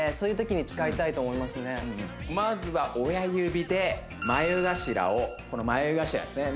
まずは親指で眉頭をこの眉頭ですね